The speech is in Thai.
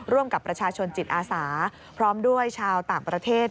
ร่วมกับประชาชนจิตอาสาพร้อมด้วยชาวต่างประเทศ